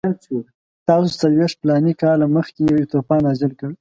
تاسو څلوېښت فلاني کاله مخکې یو طوفان نازل کړ.